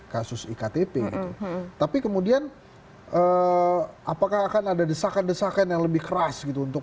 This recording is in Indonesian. kasus iktp tapi kemudian apakah akan ada desakan desakan yang lebih keras gitu untuk